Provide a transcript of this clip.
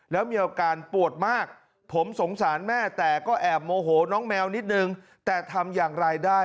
แล้วมีอาการปวดมากผมสงสารแม่แต่ก็แอบโมโหน้องแมวนิดนึงแต่ทำอย่างไรได้